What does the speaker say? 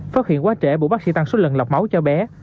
phát hiện quá trễ bộ bác sĩ tăng suất lần lọc máu cho bé